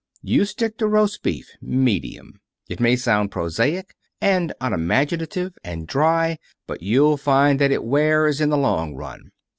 You stick to roast beef, medium. It may sound prosaic, and unimaginative and dry, but you'll find that it wears in the long run.